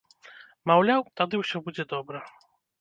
Маўляў, тады ўсё будзе добра.